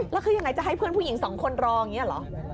แล้วคือยังไงจะให้เพื่อนผู้หญิงสองคนรออย่างนี้เหรอ